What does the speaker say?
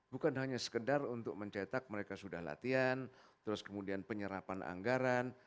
bukan hanya sekedar untuk mencetak mereka sudah latihan terus kemudian penyerapan anggaran